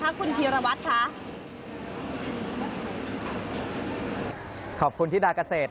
ก็ถือว่าแพงสำหรับเขามากแล้ว